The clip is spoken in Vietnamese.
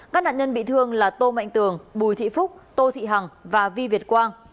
các nạn nhân bị thương là tô mạnh tường bùi thị phúc tô thị hằng và vi việt quang